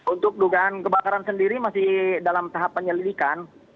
untuk dugaan kebakaran sendiri masih dalam tahap penyelidikan